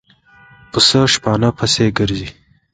پسه شپانه پسې ګرځي.